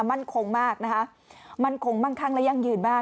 มั่นคงมากนะคะมั่นคงมั่งคั่งและยั่งยืนมาก